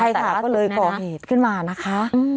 ใช่ค่ะก็เลยก่อเหตุขึ้นมานะคะ